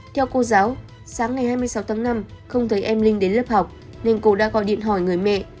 theo cô giáo sáng ngày hai mươi sáu tháng năm không thấy em linh đến lớp học nên cô đã gọi điện hỏi người mẹ